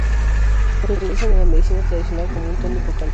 Se utilizan en la medicina tradicional como un tónico cardíaco.